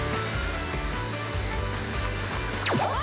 あっ？